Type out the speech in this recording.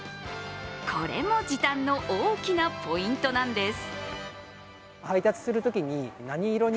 これも時短の大きなポイントなんです。